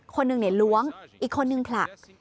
คนหนึ่งล้วงอีกคนนึงผลัก